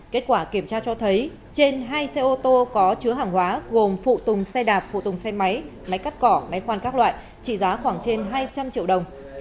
kết quả kiểm tra cho thấy trên hai xe ô tô có chứa hàng hóa gồm phụ tùng xe đạp phụ tùng xe máy máy cắt cỏ máy khoan các loại trị giá khoảng trên hai trăm linh triệu đồng